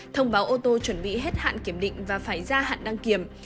thông báo ô tô chuẩn bị hết hạn kiểm định và phải ra hạn đăng kiểm